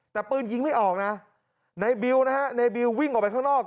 แต่ปืนยิงไม่ออกนะในบิวนะฮะในบิววิ่งออกไปข้างนอก